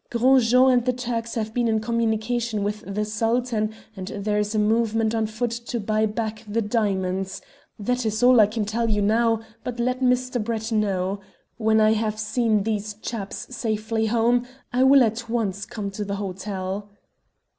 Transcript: Gros Jean and the Turks have been in communication with the Sultan, and there is a movement on foot to buy back the diamonds. That is all that I can tell you now, but let Mr. Brett know. When I have seen these chaps safely home, I will at once come to the hotel."